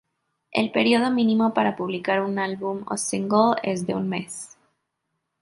El período mínimo para publicar un álbum o single es de un mes.